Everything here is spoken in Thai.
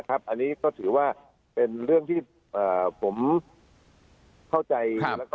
อันนี้ก็ถือว่าเป็นเรื่องที่ผมเข้าใจ